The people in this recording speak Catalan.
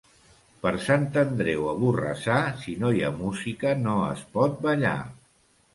Per Sant Andreu, a Borrassà, si no hi ha música, no es pot ballar.